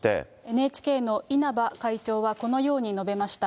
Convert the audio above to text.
ＮＨＫの稲葉会長はこのように述べました。